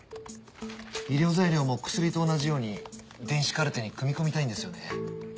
医療材料も薬と同じように電子カルテに組み込みたいんですよね。